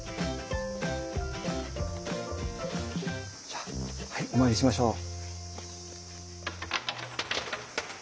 じゃあお参りしましょう。